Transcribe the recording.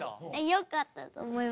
よかったと思います。